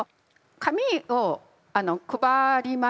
紙を配ります。